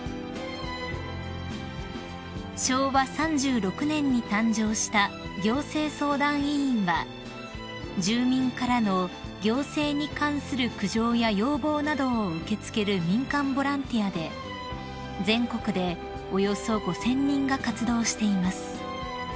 ［昭和３６年に誕生した行政相談委員は住民からの行政に関する苦情や要望などを受け付ける民間ボランティアで全国でおよそ５，０００人が活動しています］